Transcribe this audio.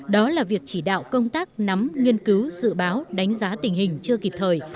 đó là việc chỉ đạo công tác nắm nghiên cứu dự báo đánh giá tình hình chưa kịp thời